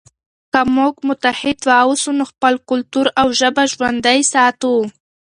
که موږ متحد واوسو نو خپل کلتور او ژبه ژوندی ساتو.